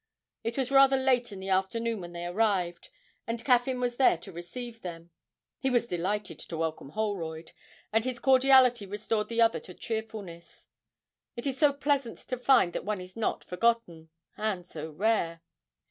It was rather late in the afternoon when they arrived, and Caffyn was there to receive them; he was delighted to welcome Holroyd, and his cordiality restored the other to cheerfulness; it is so pleasant to find that one is not forgotten and so rare.